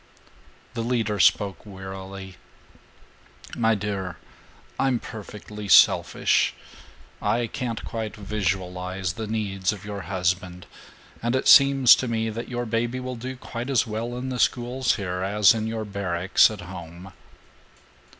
The leader spoke wearily: "My dear, I'm perfectly selfish. I can't quite visualize the needs of your husband, and it seems to me that your baby will do quite as well in the schools here as in your barracks at home."